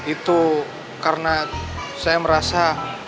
itu karena saya merasa